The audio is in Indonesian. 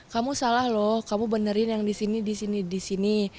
kamu salah loh kamu benerin yang di sini di sini di sini